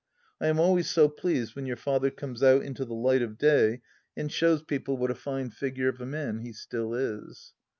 I am always so pleased when your father comes out into the light of day and shows people what a fine figure of a man he still is.